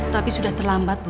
tapi sudah terlambat bu